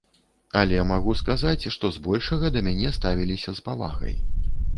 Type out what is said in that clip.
Але магу сказаць, што збольшага да мяне ставіліся з павагай.